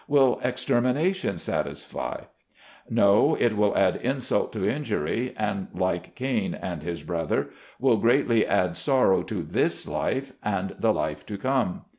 Will extermination satisfy ? No, it will add insult to injury, and like Cain and his brother, will greatly add sorrow to this life and the life to come.